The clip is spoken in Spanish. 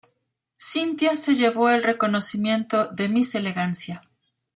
Cynthia se llevó el reconocimiento de Miss Elegancia.